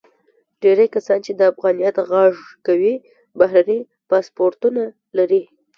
ډیری کسان چې د افغانیت غږ کوي، بهرني پاسپورتونه لري.